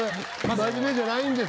真面目じゃないんです。